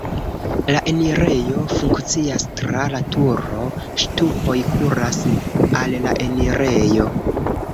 La enirejo funkcias tra la turo, ŝtupoj kuras al la enirejo.